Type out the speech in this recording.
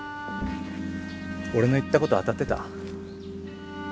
俺の言ったこと当たってた？